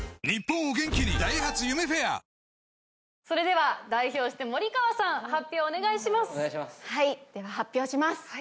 それでは代表して森川さん発表お願いします。